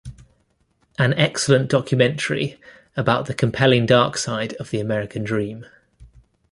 An excellent documentary about the compelling dark side of the American dream.